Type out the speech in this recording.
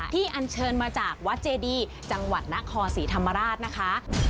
อันเชิญมาจากวัดเจดีจังหวัดนครศรีธรรมราชนะคะ